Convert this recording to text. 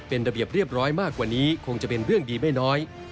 เป็นระเบียบเรียบร้อยมากกว่านี้คงจะเป็นเรื่องดีไม่น้อย